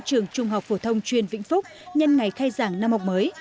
trường trung học phổ thông chuyên vĩnh phúc nhân ngày khai giảng năm học mới